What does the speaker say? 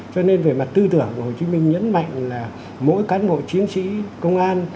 cho nên về mặt tư tưởng hồ chí minh nhấn mạnh là mỗi cán bộ chiến sĩ công an